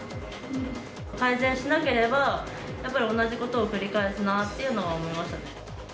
改善しなければ、やっぱり同じことを繰り返すなっていうのは思いましたね。